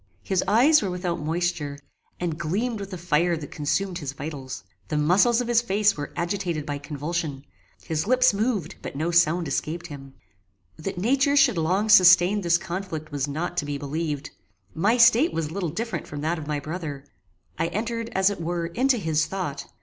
His eyes were without moisture, and gleamed with the fire that consumed his vitals. The muscles of his face were agitated by convulsion. His lips moved, but no sound escaped him. That nature should long sustain this conflict was not to be believed. My state was little different from that of my brother. I entered, as it were, into his thought.